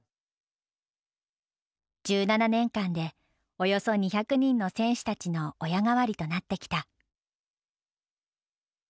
１７年間でおよそ２００人の選手たちの親代わりとなってきた。